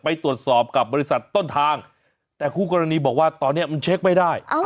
ไปตรวจสอบกับบริษัทต้นทางแต่คู่กรณีบอกว่าตอนนี้มันเช็คไม่ได้